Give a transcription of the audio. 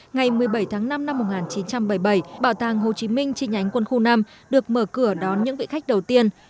ngày một mươi bảy tháng năm năm một nghìn chín trăm bảy mươi bảy bảo tàng hồ chí minh trên nhánh quân khu năm được mở cửa đón những vị khách đầu tiên